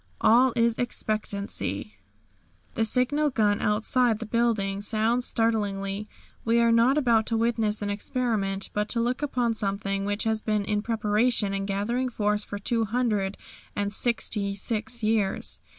All is expectancy! The signal gun outside the building sounds startlingly. We are not about to witness an experiment, but to look upon something which has been in preparation and gathering force for two hundred and sixty six years.